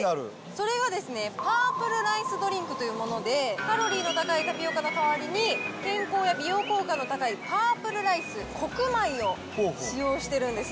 それがですね、パープルライスドリンクというもので、カロリーの高いタピオカの代わりに健康や美容効果の高いパープルライス、黒米を使用してるんです。